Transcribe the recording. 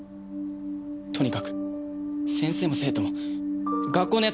とにかく先生も生徒も学校の奴